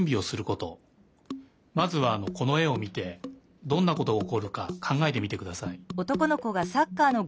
まずはこのえをみてどんなことがおこるかかんがえてみてください。